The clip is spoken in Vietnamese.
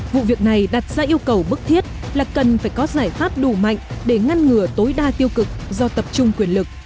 vụ việc này đặt ra yêu cầu bức thiết là cần phải có giải pháp đủ mạnh để ngăn ngừa tối đa tiêu cực do tập trung quyền lực